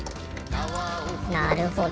なるほど。